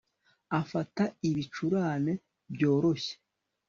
Afata ibicurane byoroshye